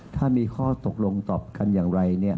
ถ้ามีข้อตกลงตอบกันอย่างไร